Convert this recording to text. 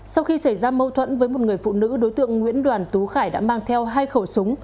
sau khi xảy ra mâu thuẫn với một người phụ nữ